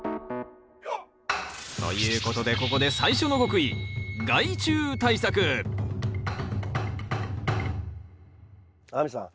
ということでここで最初の極意亜美さん